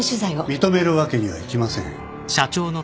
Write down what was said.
認めるわけにはいきません。